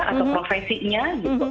atau profesinya gitu